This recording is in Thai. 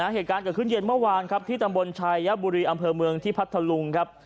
เหตุการณ์เกิดขึ้นเย็นเมื่อวานครับที่ตำบลชายบุรีอำเภอเมืองที่พัทธลุงครับ